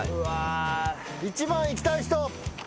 １番いきたい人。